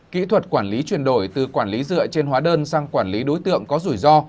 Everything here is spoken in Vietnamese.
kỹ thuật quản lý chuyển đổi từ quản lý dựa trên hóa đơn sang quản lý đối tượng có rủi ro